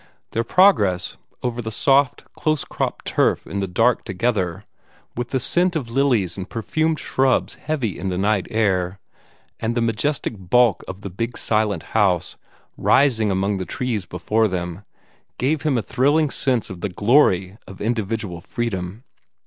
Their progress over the soft, close cropped turf in the dark together, with the scent of lilies and perfumed shrubs heavy on the night air, and the majestic bulk of the big silent house rising among the trees before them, gave him a thrilling sense of the glory of individual freedom.